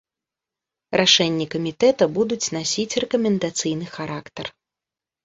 Рашэнні камітэта будуць насіць рэкамендацыйны характар.